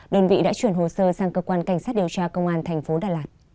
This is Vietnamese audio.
đơn vị đã chuyển hồ sơ sang cơ quan cảnh sát điều tra công an thành phố đà lạt